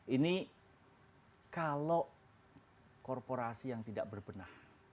ini kalau korporasi yang tidak berbenah